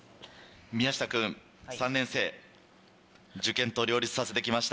宮下君３年生受験と両立させてきました。